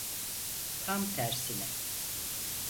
Tam tersine.